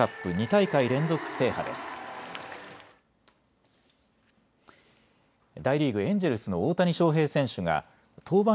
大リーグ、エンジェルスの大谷翔平選手が登板